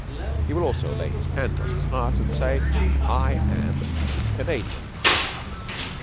He will also lay his hand on his heart, and say, 'I am a Canadian.'